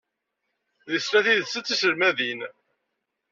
Deg snat yid-sent d tiselmadin.